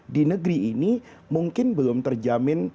di negeri ini mungkin belum terjamin